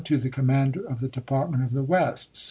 To THE Commander of the Department of the West.